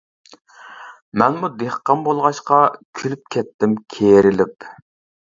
مەنمۇ دېھقان بولغاچقا، كۈلۈپ كەتتىم كېرىلىپ.